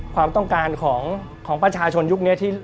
ความต้องการของประชาชนยุคนี้